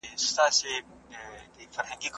هر ليک بايد په پښتو وي.